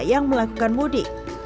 yang melakukan mudik